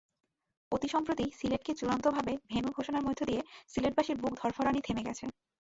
অতিসম্প্রতি সিলেটকে চূড়ান্তভাবে ভেন্যু ঘোষণার মধ্য দিয়ে সিলেটবাসীর বুক ধড়ফড়ানি থেমে গেছে।